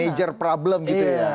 major problem gitu ya